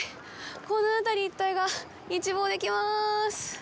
この辺り一帯が一望できます。